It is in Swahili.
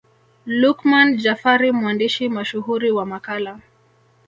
Luqman Jafari mwandishi mashuhuri wa Makala